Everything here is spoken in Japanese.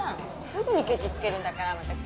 すぐにケチつけるんだから全く。